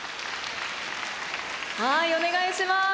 はいお願いします。